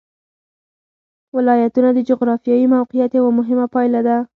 ولایتونه د جغرافیایي موقیعت یوه مهمه پایله ده.